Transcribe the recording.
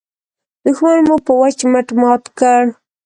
دوښمن مو په وچ مټ مات کړ.